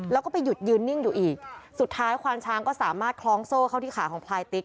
แล้วก็ไปหยุดยืนนิ่งอยู่อีกสุดท้ายควานช้างก็สามารถคล้องโซ่เข้าที่ขาของพลายติ๊ก